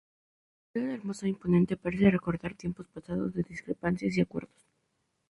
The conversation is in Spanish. La morera, hermosa e imponente, parece recordar tiempos pasados de discrepancias y acuerdos.